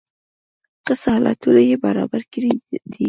ښه سهولتونه یې برابر کړي دي.